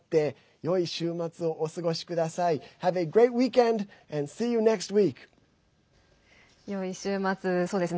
よい週末、そうですね